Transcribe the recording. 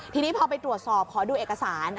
ทีนี้พอไปตรวจสอบขอดูเอกสาร